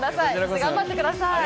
頑張ってください。